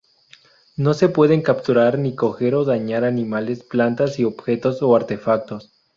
No se pueden captura ni coger o dañar animales, plantas y objetos o artefactos.